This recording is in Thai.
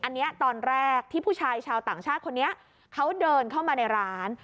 อันนี้ตอนแรกที่ผู้ชายชาวต่างชาติคนนี้เขาเดินเข้ามาในร้าน